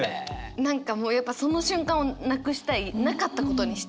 何かもうやっぱその瞬間をなくしたいなかったことにしたい。